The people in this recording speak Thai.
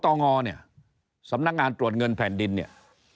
งเนี่ยสำนักงานตรวจเงินแผ่นดินเนี่ย